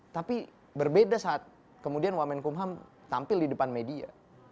tapi berbeda saat kemudian wamenkumham tampil di depan media